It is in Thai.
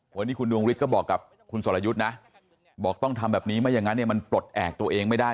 วันนี้คุณดวงฤทธิ์ก็บอกกับคุณสรยุทธ์นะบอกต้องทำแบบนี้ไม่อย่างนั้นเนี่ยมันปลดแอบตัวเองไม่ได้